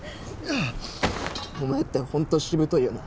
お前って本当しぶといよな。